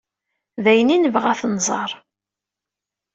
D ayen ay nebɣa ad t-nẓer.